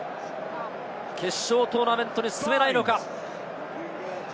決勝トーナメントに進めないのか？